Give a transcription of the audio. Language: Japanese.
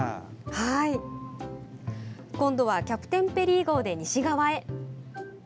今度は「キャプテンペリー号」で西側へ。